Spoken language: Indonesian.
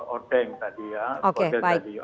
ordeng tadi ya oke baik